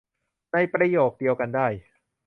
ในประโยคเดียวกันได้